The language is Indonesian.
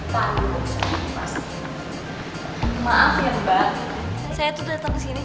saya daten kesini cuma mau wanjang ofer simultagan